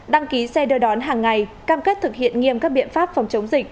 đăng ký xe đưa đón hàng ngày cam kết thực hiện nghiêm các biện pháp phòng chống dịch